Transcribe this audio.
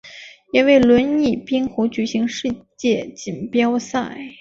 也为轮椅冰壶举行世界锦标赛。